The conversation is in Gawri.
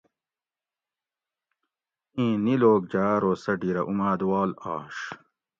ایں نی لوک جاۤ ارو سہ ڈِھیرہ اُمادواۤل آش